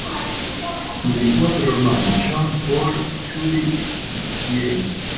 Tiene cuatro hermanos: John, Paul, Judy y Anne.